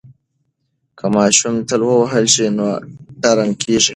که ماشوم تل ووهل شي نو ډارن کیږي.